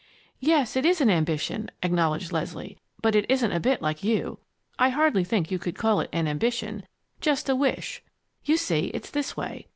"Yes, it is an ambition," acknowledged Leslie, "but it isn't a bit like you. I hardly think you could call it an ambition just a wish. You see, it's this way.